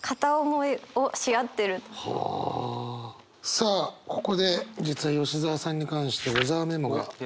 さあここで実は吉澤さんに関して小沢メモがありますので。